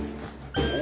お。